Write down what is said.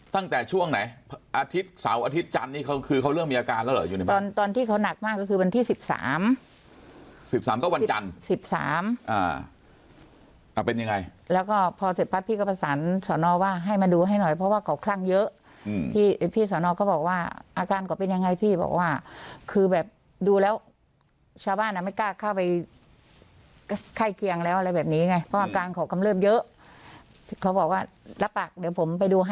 แต่ช่วงไหนอาทิตย์เสาร์อาทิตย์จันทร์นี้เขาคือเขาเริ่มมีอาการแล้วเหรออยู่ในบ้านตอนที่เขาหนักมากก็คือวันที่สิบสามสิบสามก็วันจันทร์สิบสามอ่าอ่าเป็นยังไงแล้วก็พอเสร็จปั๊ดพี่ก็ประสานสอนอว่าให้มาดูให้หน่อยเพราะว่าก่อกคลั่งเยอะอืมพี่พี่สอนอก็บอกว่าอาการก็เป็นยังไงพี่บอกว่าคือแบบดู